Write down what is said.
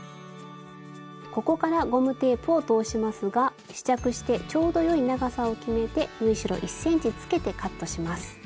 ここからゴムテープを通しますが試着してちょうどよい長さを決めて縫い代１ｃｍつけてカットします。